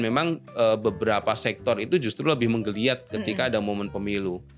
memang beberapa sektor itu justru lebih menggeliat ketika ada momen pemilu